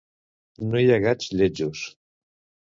No hi ha gats lletjos.